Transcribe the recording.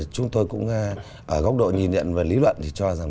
chúng tôi cũng ở góc độ nhìn nhận về lý luận thì cho rằng